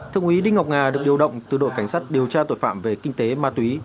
thượng úy đinh ngọc hà được điều động từ đội cảnh sát điều tra tội phạm về kinh tế ma túy